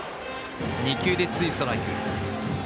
２球でツーストライク。